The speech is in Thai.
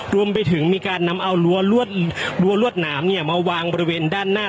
รวมไปถึงมีการนำเอาลัวลวดลัวลวดหนามเนี่ยมาวางบริเวณด้านหน้า